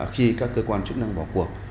khi các cơ quan chức năng vào cuộc